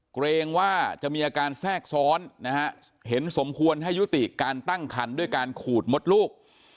เกรงว่าจะมีอาการแทรกซ้อนนะฮะเห็นสมควรให้ยุติการตั้งคันด้วยการขูดมดลูก